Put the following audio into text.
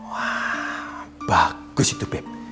wah bagus itu beb